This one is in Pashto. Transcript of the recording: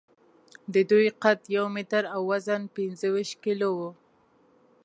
د دوی قد یو متر او وزن پینځهویشت کیلو و.